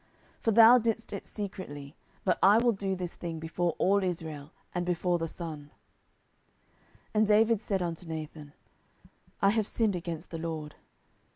10:012:012 For thou didst it secretly: but I will do this thing before all Israel, and before the sun. 10:012:013 And David said unto Nathan, I have sinned against the LORD.